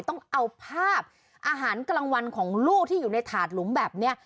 ต้องเอาภาพอาหารกลางวันของลูกที่อยู่ในถาดหลุมแบบนี้